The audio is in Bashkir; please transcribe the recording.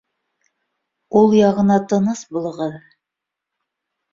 Ул яғына тыныс булығыҙ